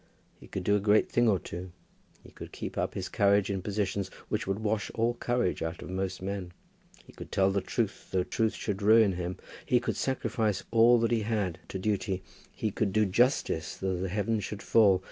He could do a great thing or two. He could keep up his courage in positions which would wash all courage out of most men. He could tell the truth though truth should ruin him. He could sacrifice all that he had to duty. He could do justice though the heaven should fall.